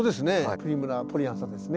プリムラ・ポリアンサですね。